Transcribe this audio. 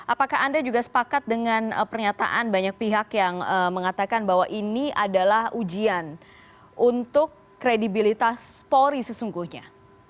apakah anda juga sepakat dengan pernyataan banyak pihak yang mengatakan bahwa ini adalah ujian untuk kredibilitas polri sesungguhnya